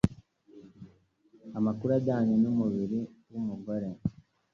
amakuru ajyanye n'umubiri w'umugore